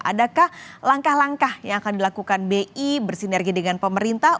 adakah langkah langkah yang akan dilakukan bi bersinergi dengan pemerintah